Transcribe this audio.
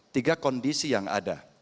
tiga kondisi yang ada